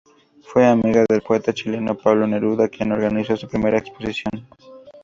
Fue amiga del poeta chileno Pablo Neruda, quien organizó su primera exposición.